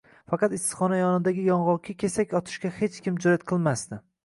Faqat issiqxona yonidagi yong‘oqqa kesak otishga hech kim jur’at qilmasdi.